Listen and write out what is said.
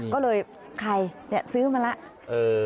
ก็เลยไข่ณซื้อมาและ